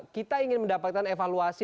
kita ingin mendapatkan evaluasi